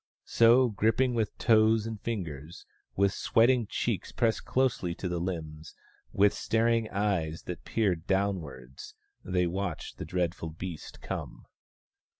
So, gripping with toes and fingers, with sweating cheeks pressed closely to the limbs, with staring eyes that peered downwards, they watched the dreadful beast come.